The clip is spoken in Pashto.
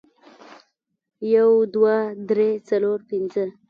یو، دوه، درې، څلور، پنځه